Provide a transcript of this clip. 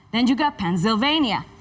dan juga pennsylvania